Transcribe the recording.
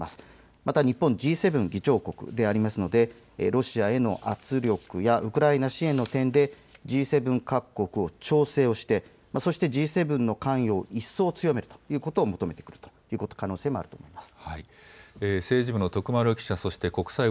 また日本、Ｇ７議長国でありますのでロシアへの圧力やウクライナ支援の点でＧ７各国を調整して、そしてＧ７の関与一層務めることを、求める可能性もあります。